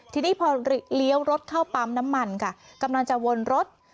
ทีนี้พอเลี้ยวรถเข้าปั๊มน้ำมันค่ะกำลังจะวนรถ